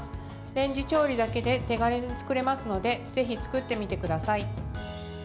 レンジ調理だけで手軽に作れますのでぜひ作ってみてください。